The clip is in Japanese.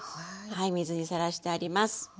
水にさらしてあります。